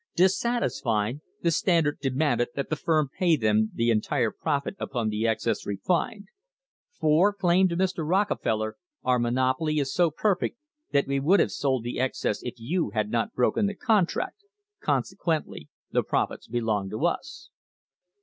Dissatisfied, the Standard demanded that the firm pay them the entire profit upon the excess refined; for, claimed Mr. Rockefeller, our monopoly is so perfect that we would have sold the excess if you had not broken the contract, consequently the profits belong to us.